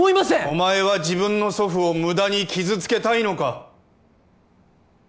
お前は自分の祖父をむだに傷つけたいのか？